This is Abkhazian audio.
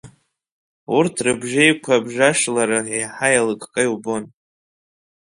Урҭ рыбжеиқәабжашлара еиҳа еилыкка иубон.